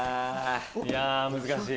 いや難しい。